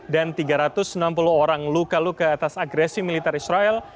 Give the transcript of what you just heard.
dan tiga ratus enam puluh orang luka luka atas agresi militer israel